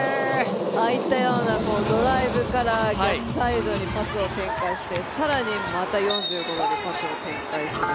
ああいったようなドライブから逆サイドにパスを展開して更にまた４５度でパスを展開する。